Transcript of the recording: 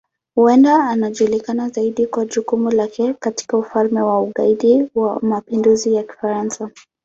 Huenda anajulikana zaidi kwa jukumu lake katika Ufalme wa Ugaidi wa Mapinduzi ya Kifaransa.